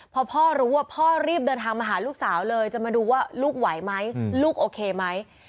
พอพ่อรู้ว่าพ่อรีบเดินทางมาหาลูกสาวเลยจะมาดูว่าลูกไหวไหมลูกโอเคไหม